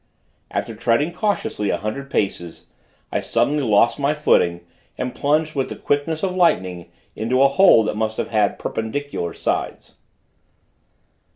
After treading cautiously a hundred paces, I suddenly lost my footing, and plunged with the quickness of lightning, into a hole that must have had perpendicular sides.